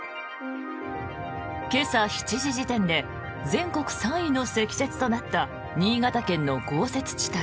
今朝７時時点で全国３位の積雪となった新潟県の豪雪地帯